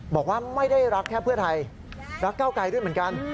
บอกว่าไม่ได้รักแค่เพื่อไทยรักเก้าไกลด้วยเหมือนกัน